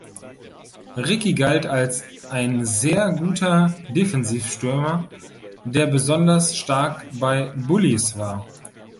Ricci galt als ein sehr guter Defensivstürmer, der besonders stark bei Bullies war.